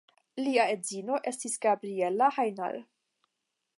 Lia edzino estis Gabriella Hajnal.